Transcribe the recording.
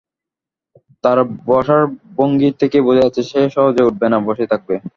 তার বসার ভঙ্গি থেকেই বোঝা যাচ্ছে সে সহজে উঠবে না, বসেই থাকবে।